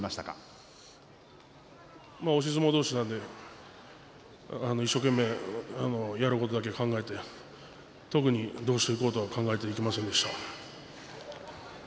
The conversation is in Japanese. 押し相撲同士なので一生懸命やることだけ考えて特にどうしていこうということは考えていませんでした。